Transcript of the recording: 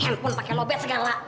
ah handphone pake lobet segala